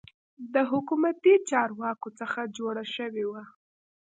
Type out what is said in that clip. د حکومتي چارواکو څخه جوړه شوې وه.